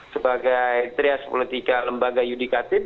sebagai trias politika lembaga yudikatif